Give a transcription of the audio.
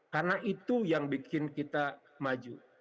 karena itu yang bikin kita maju